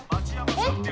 えっ？